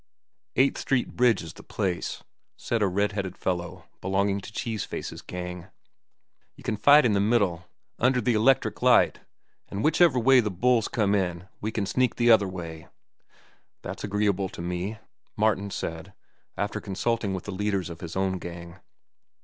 "Eighth Street Bridge is the place," said a red headed fellow belonging to Cheese Face's Gang. "You kin fight in the middle, under the electric light, an' whichever way the bulls come in we kin sneak the other way." "That's agreeable to me," Martin said, after consulting with the leaders of his own gang.